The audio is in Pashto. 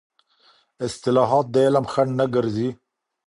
اصطلاحات د علم خنډ نه ګرځي.